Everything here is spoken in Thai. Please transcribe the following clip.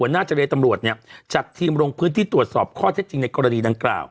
หน้าเจรตำรวจเนี่ยจัดทีมลงพื้นที่ตรวจสอบข้อเท็จจริงในกรณีดังกล่าว